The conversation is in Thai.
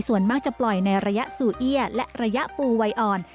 ส่วนมากจะปล่อยในระยะซูเอี้ยและระยะปูวัยอ่อน